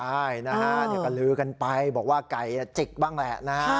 ใช่นะฮะก็ลือกันไปบอกว่าไก่จิกบ้างแหละนะฮะ